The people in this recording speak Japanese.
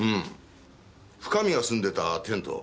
深見が住んでたテント。